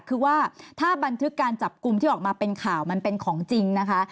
คือว่าถ้าบันทึกการจับกลุ่มที่ออกมาเป็นข่าวมันเป็นของจริงนะคะ